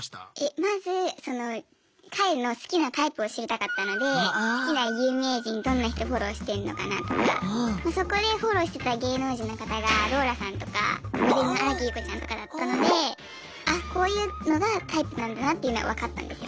まず彼の好きなタイプを知りたかったので好きな有名人どんな人フォローしてんのかなとかそこでフォローしてた芸能人の方がローラさんとかモデルの新木優子ちゃんとかだったのであっこういうのがタイプなんだなっていうのは分かったんですよ。